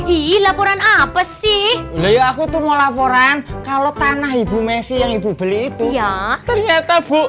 iya aku tuh mau laporan kalau tanah ibu messi yang ibu beli itu ya ternyata bu